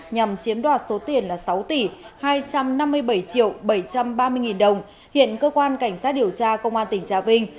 nhằm chiếm đoạt số tiền là sáu tỷ hai trăm năm mươi bảy triệu bảy trăm ba mươi nghìn đồng hiện cơ quan cảnh sát điều tra công an tỉnh trà vinh